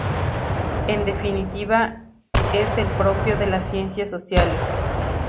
En definitiva es el propio de las ciencias sociales.